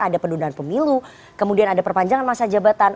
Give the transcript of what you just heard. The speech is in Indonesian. ada penundaan pemilu kemudian ada perpanjangan masa jabatan